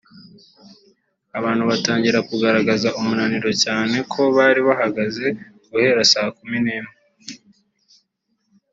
abantu batangira kugaragaza umunaniro cyane ko bari bahagaze guhera saa kumi n’imwe